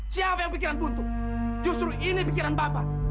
siapa yang pikiran buntu justru ini pikiran bapak